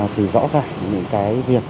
thì rõ ràng những cái việc